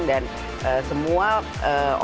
dan semua orang yang akan mudik